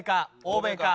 欧米か！